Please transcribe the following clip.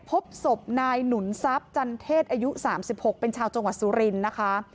พบศพนายหนุนซับจันเทศอายุสามสิบหกเป็นชาวจังหวัดสุรินนะคะ